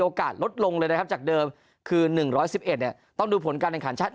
โอกาสลดลงเลยนะครับจากเดิมคือ๑๑๑ต้องดูผลการแบ่งขันชาติ